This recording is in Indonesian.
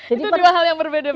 itu dua hal yang berbeda